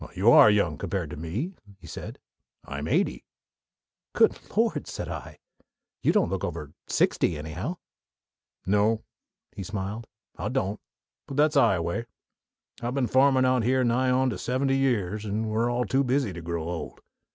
"Well, you are young compared to me," he said. "I'm eighty." "Good Lord!" said I. "You don't look over sixty, anyhow." "No," he smiled, "I don't but that's Ioway. I've been farmin' out here for nigh onto seventy years, and we're all too busy to grow old.